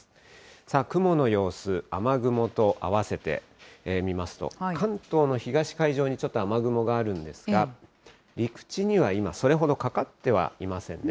さあ、雲の様子、雨雲と合わせて見ますと、関東の東海上にちょっと雨雲があるんですが、陸地には今、それほどかかってはいませんね。